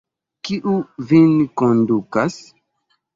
Kiu vin kondukas?